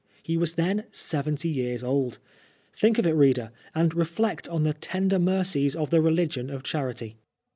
He was then seventy years old 1 Think of it, reader, and reflect on the tender mercies of the religion of ohsurity.